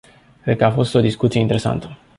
Cred că a fost o discuție interesantă.